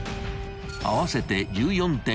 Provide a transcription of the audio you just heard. ［合わせて１４．５ｇ］